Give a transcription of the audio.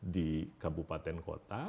di kabupaten kota